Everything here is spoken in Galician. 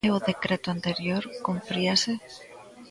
E o decreto anterior, cumpríase?